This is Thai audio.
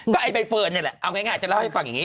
ก็ไอ้ใบเฟิร์นนี่แหละเอาง่ายจะเล่าให้ฟังอย่างนี้